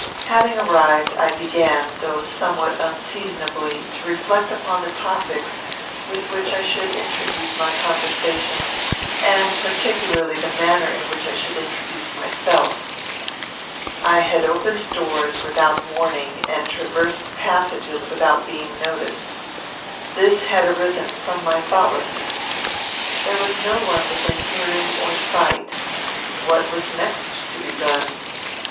Having arrived, I began, though somewhat unseasonably, to reflect upon the topics with which I should introduce my conversation, and particularly the manner in which I should introduce myself. I had opened doors without warning, and traversed passages without being noticed. This had arisen from my thoughtlessness. There was no one within hearing or sight. What was next to be done?